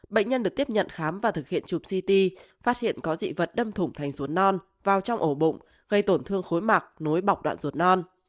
bệnh nhân được tiếp nhận khám và thực hiện chụp ct phát hiện có dị vật đâm thủng thành ruốn non vào trong ổ bụng gây tổn thương khối mạc nối bọc đạn ruột non